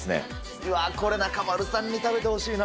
うわー、これ中丸さんに食べてほしいな。